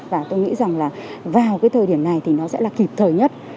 và tôi nghĩ rằng là vào cái thời điểm này thì nó sẽ là kịp thời nhất